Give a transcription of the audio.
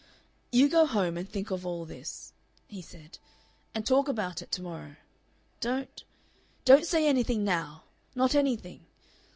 "You go home and think of all this," he said, "and talk about it to morrow. Don't, don't say anything now, not anything.